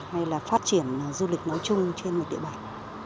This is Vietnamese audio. hay là phát triển du lịch nói chung trên một địa bàn